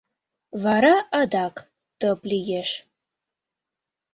Вара адак тып лиеш.